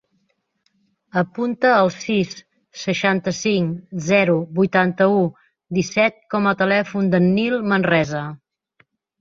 Apunta el sis, seixanta-cinc, zero, vuitanta-u, disset com a telèfon del Nil Manresa.